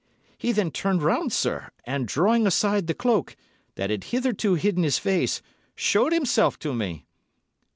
"He then turned round, sir, and drawing aside the cloak, that had hitherto hidden his face, showed himself to me!"